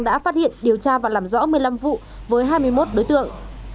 đã phát hiện điều tra và làm rõ một mươi năm vụ với hai mươi một đối tượng